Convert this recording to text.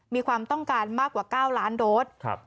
มีความต้องการมากกว่า๙ล้านโดส